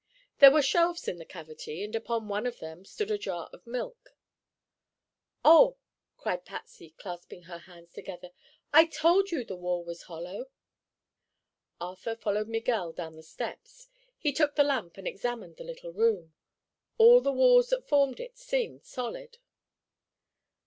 There were shelves in the cavity and upon one of them stood a jar of milk. "Oh," cried Patsy, clasping her hands together. "I told you the wall was hollow!" Arthur followed Miguel down the steps. He took the lamp and examined the little room. All the walls that formed it seemed solid.